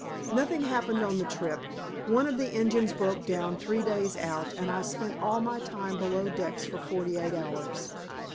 Nothing happened on the trip. One of the engines broke down three days out, and I spent all my time below decks for forty eight hours.